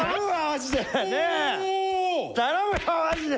頼むよマジで。